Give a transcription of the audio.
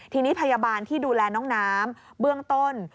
ทีนี้พยาบาลที่ดูแลน้องน้ำเบื้องต้น